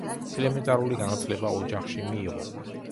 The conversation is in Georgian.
ელემენტარული განათლება ოჯახში მიიღო.